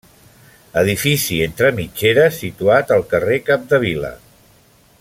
Edifici entre mitgeres situat al carrer Capdevila.